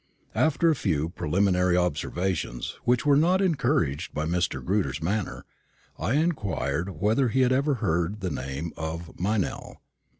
After a few preliminary observations, which were not encouraged by Mr. Grewter's manner, I inquired whether he had ever heard the name of Meynell.